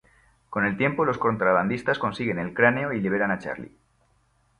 Con el tiempo los contrabandistas consiguen el cráneo, y liberan a Charlie.